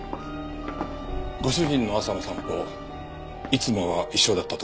ご主人の朝の散歩いつもは一緒だったとか。